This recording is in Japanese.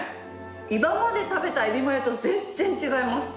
今まで食べたエビマヨと全然違います。